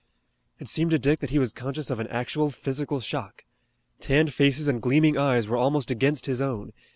It seemed to Dick that he was conscious of an actual physical shock. Tanned faces and gleaming eyes were almost against his own.